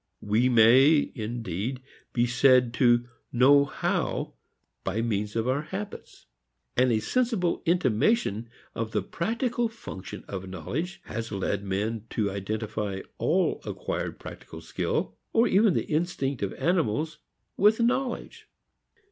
We may, indeed, be said to know how by means of our habits. And a sensible intimation of the practical function of knowledge has led men to identify all acquired practical skill, or even the instinct of animals, with knowledge.